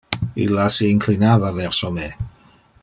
Illa se inclinava verso me.